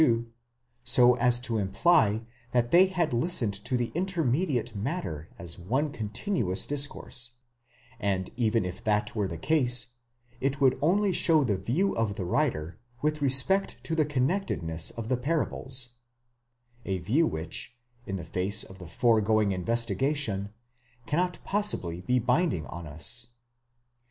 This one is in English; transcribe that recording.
2, so as to imply that they had listened to the intermediate matter as one continuous discourse; and even if that were the case, it would only show the view of the writer with respect to the connectedness of the parables ; a view which, in the face of the foregoing investigation, cannot possibly be binding on us.!